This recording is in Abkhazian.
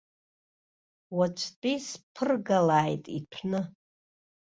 Уаҵәтәи сԥыргалааит иҭәны.